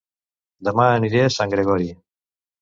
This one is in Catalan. Dema aniré a Sant Gregori